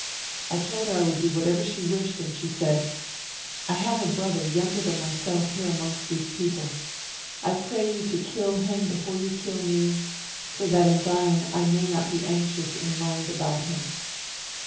I told her I would do whatever she wished, and she said :' I have a brother, younger than myself, here amongst these people. I pray you to kill him before you kill me, so that in dying I may not be anxious in mind about him.'